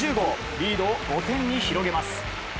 リードを５点に広げます。